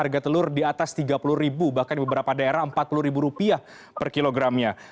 harga telur di atas rp tiga puluh bahkan di beberapa daerah rp empat puluh per kilogramnya